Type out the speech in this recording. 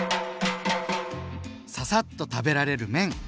ササッと食べられる麺！